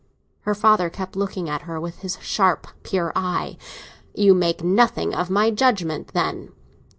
Her father kept looking at her with his sharp, pure eye. "You make nothing of my judgement, then?"